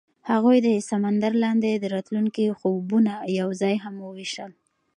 هغوی د سمندر لاندې د راتلونکي خوبونه یوځای هم وویشل.